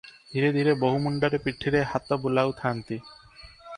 ଧୀରେ ଧୀରେ ବୋହୂ ମୁଣ୍ଡରେ ପିଠିରେ ହାତ ବୁଲାଉଥାନ୍ତି ।